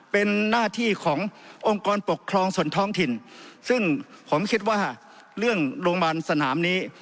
เป็นหน้าที่ขององค์กรปกครองส่วนท้องถิ่นซึ่งผมคิดว่าเรื่องโรงพยาบาลสนามนี้